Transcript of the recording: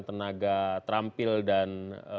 tenaga terampil dan